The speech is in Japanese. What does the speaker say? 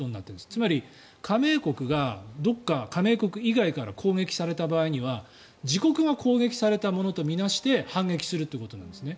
つまり、加盟国がどこか加盟国以外から攻撃された場合には自国が攻撃されたものと見なして反撃するということなんですね。